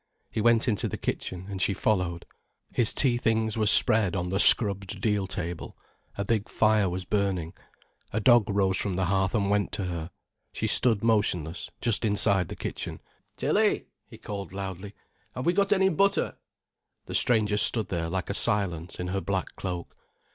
He went into the kitchen and she followed. His tea things were spread on the scrubbed deal table, a big fire was burning, a dog rose from the hearth and went to her. She stood motionless just inside the kitchen. "Tilly," he called loudly, "have we got any butter?" The stranger stood there like a silence in her black cloak.